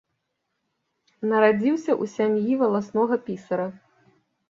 Нарадзіўся ў сям'і валаснога пісара.